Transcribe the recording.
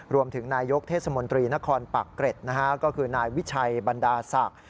นายกเทศมนตรีนครปากเกร็ดนะฮะก็คือนายวิชัยบรรดาศักดิ์